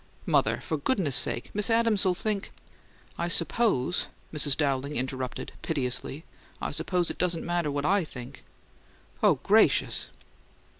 "Mother, for goodness' sake! Miss Adams'll think " "I suppose," Mrs. Dowling interrupted, piteously, "I suppose it doesn't matter what I think!" "Oh, gracious!"